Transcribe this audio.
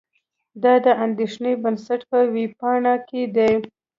دا د اندېښې بنسټ په وېبپاڼه کې دي.